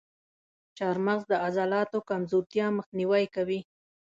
چارمغز د عضلاتو کمزورتیا مخنیوی کوي.